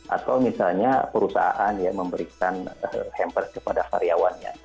atau misalnya perusahaan ya memberikan hampers kepada karyawannya